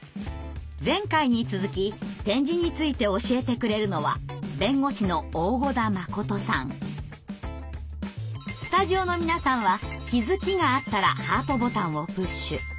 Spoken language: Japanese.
前回に続き点字について教えてくれるのはスタジオの皆さんは気づきがあったらハートボタンをプッシュ。